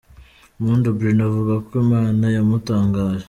Mpundu Bruno avuga ko Imana yamutangaje.